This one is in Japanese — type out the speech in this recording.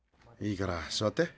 いいからすわって。